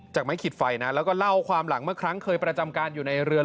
ไม้ขีดไฟนะแล้วก็เล่าความหลังเมื่อครั้งเคยประจำการอยู่ในเรือ